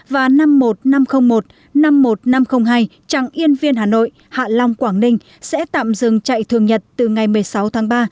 và năm mươi một nghìn năm trăm linh một năm mươi một nghìn năm trăm linh hai chặng yên viên hà nội hạ long quảng ninh sẽ tạm dừng chạy thường nhật từ ngày một mươi sáu tháng ba